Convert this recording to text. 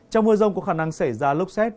trong mưa rông có khả năng xảy ra lốc xét